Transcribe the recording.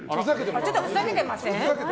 ちょっとふざけてません？